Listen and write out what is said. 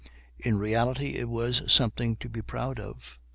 In reality it was something to be proud of.